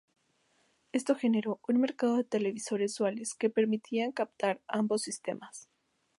Esto generó un mercado de televisores duales que permitían captar ambos sistemas.